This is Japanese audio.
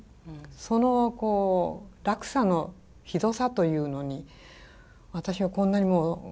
その落差のひどさというのに私はこんなにも一生懸命ね